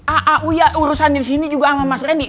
a a uya urusan di sini juga sama mas randy